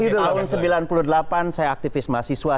tahun seribu sembilan ratus sembilan puluh delapan saya aktivis mahasiswa